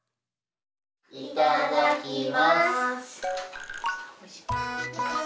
いただきます！